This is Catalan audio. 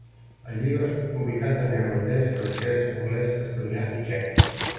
El llibre ha estat publicat en neerlandès, francès, anglès, estonià i txec.